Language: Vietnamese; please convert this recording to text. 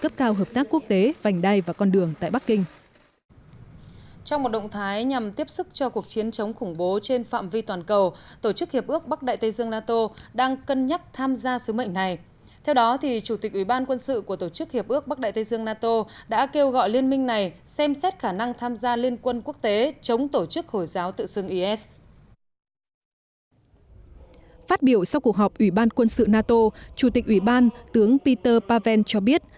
phát biểu sau cuộc họp ủy ban quân sự nato chủ tịch ủy ban tướng peter paven cho biết